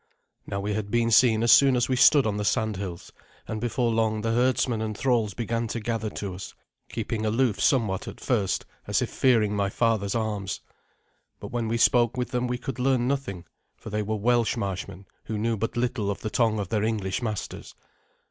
Now we had been seen as soon as we stood on the sandhills; and before long the herdsman and thralls began to gather to us, keeping aloof somewhat at first, as if fearing my father's arms. But when we spoke with them we could learn nothing, for they were Welsh marshmen who knew but little of the tongue of their English masters.